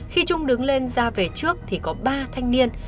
khi trung đứng lên ra về trước thì có ba thanh niên